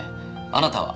あなたは？